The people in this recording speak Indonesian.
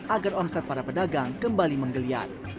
agar omset para pedagang kembali menggeliat